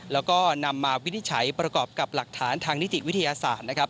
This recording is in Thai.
แล้วก็นำมาวินิจฉัยประกอบกับหลักฐานทางนิติวิทยาศาสตร์นะครับ